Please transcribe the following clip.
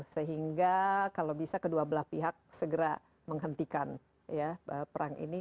sehingga kalau bisa kedua belah pihak segera menghentikan perang ini